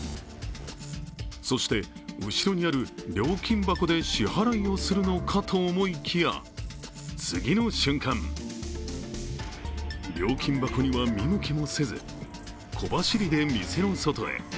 そして、後ろにある料金箱で支払いをするのかと思いきや次の瞬間、料金箱には見向きもせず、小走りで店の外へ。